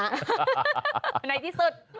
ในที่สุด